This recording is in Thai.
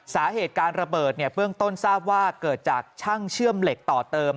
สาเหตุการระเบิดเบื้องต้นทราบว่าเกิดจากช่างเชื่อมเหล็กต่อเติม